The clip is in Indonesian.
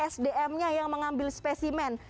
sdmnya yang mengambil spesimen